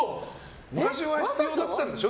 昔は必要だったんでしょ？